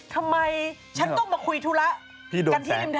ทำไมฉันต้องมาคุยธุระกันที่ริมแ